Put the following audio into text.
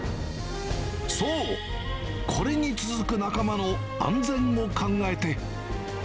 そう、これに続く仲間の安全も考えて。